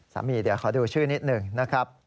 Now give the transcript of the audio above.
เดี๋ยวขอดูชื่อนิดหนึ่งนะครับ